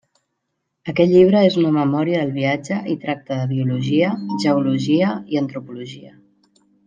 Aquest llibre és una memòria del viatge i tracta de biologia, geologia i antropologia.